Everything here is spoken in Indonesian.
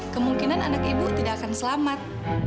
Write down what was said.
kemungkinan anak ibu tidak akan selamat